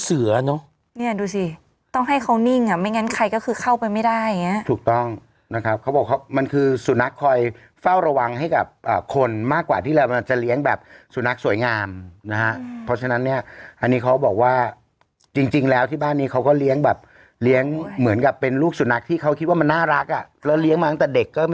เสือเนอะเนี่ยดูสิต้องให้เขานิ่งอ่ะไม่งั้นใครก็คือเข้าไปไม่ได้อย่างเงี้ยถูกต้องนะครับเขาบอกเขามันคือสุนัขคอยเฝ้าระวังให้กับคนมากกว่าที่เรามันจะเลี้ยงแบบสุนัขสวยงามนะฮะเพราะฉะนั้นเนี่ยอันนี้เขาบอกว่าจริงจริงแล้วที่บ้านนี้เขาก็เลี้ยงแบบเลี้ยงเหมือนกับเป็นลูกสุนัขที่เขาคิดว่ามันน่ารักอ่ะแล้วเลี้ยงมาตั้งแต่เด็กก็มี